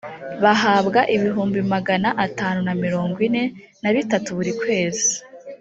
bahabwa ibihumbi magana atanu na mirongo ine na bitatu buri kwezi